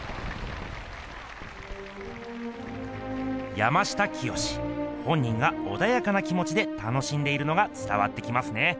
山下清本人がおだやかなきもちで楽しんでいるのがつたわってきますね。